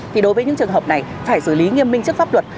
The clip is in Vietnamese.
thì đối với những trường hợp này phải xử lý nghiêm minh trước pháp luật